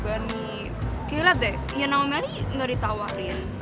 kayaknya liat deh yang nama melly nggak ditawarin